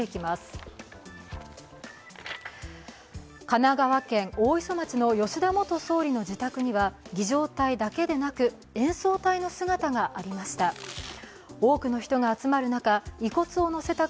神奈川県大磯町の吉田元総理のご自宅には儀じょう隊だけでなく演奏隊の姿がありました。